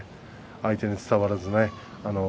相手に伝わらずね。